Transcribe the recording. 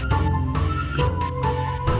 saya akan cerita soal ini